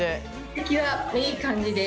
出来はいい感じです。